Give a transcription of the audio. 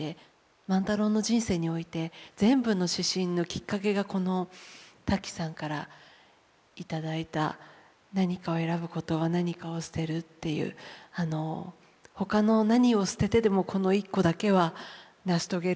万太郎の人生において全部の指針のきっかけがこのタキさんからいただいた「何かを選ぶことは何かを捨てる」というほかの何を捨ててでもこの一個だけは成し遂げる。